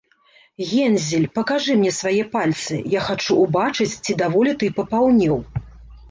- Гензель, пакажы мне свае пальцы, я хачу ўбачыць, ці даволі ты папаўнеў